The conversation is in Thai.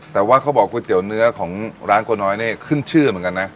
แต่ว่าเขาบอกก๋วยเตี๋ยวเนื้อของร้านโกน้อยนี่ขึ้นชื่อเหมือนกันนะ